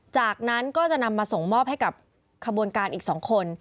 จากนั้นก็จะนำมาส่งมอบให้กับขบวนการอีก๒คน